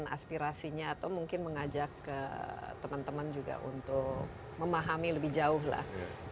sampaikan aspirasinya atau mungkin mengajak ke temen temen juga untuk memahami lebih jauh lah